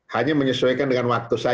hanya menyesuaikan dengan wakil